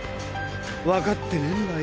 わかってねぇんだよ。